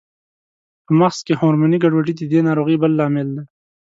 په مغز کې هورموني ګډوډۍ د دې ناروغۍ بل لامل دی.